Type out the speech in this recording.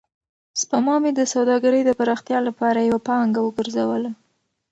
سپما مې د سوداګرۍ د پراختیا لپاره یوه پانګه وګرځوله.